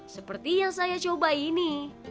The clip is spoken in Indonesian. seperti yang saya coba ini